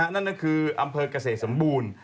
นั่นก็คืออำเภอกเกษตรสมบูรณ์